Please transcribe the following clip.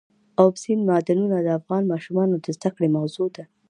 اوبزین معدنونه د افغان ماشومانو د زده کړې موضوع ده.